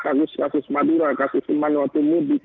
kasus madura kasus manawatu mudik